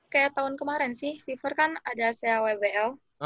kayak tahun kemaren sih viver kan ada sea wbl